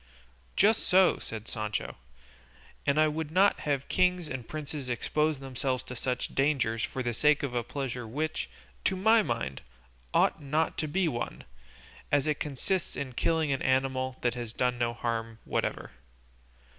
"Just so," said Sancho; "and I would not have kings and princes expose themselves to such dangers for the sake of a pleasure which, to my mind, ought not to be one, as it consists in killing an animal that has done no harm whatever."